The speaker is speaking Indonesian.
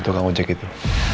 tukang ojek itu